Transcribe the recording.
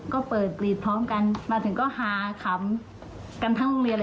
ก็เปิดกรีดพร้อมกันมาถึงก็ฮาขำกันทั้งโรงเรียนเลย